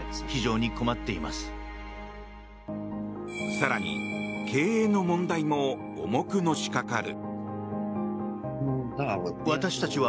更に、経営の問題も重くのしかかる。